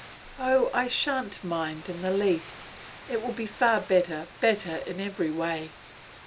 'Oh, I shan't mind it in the least! It will be far better, better in every way.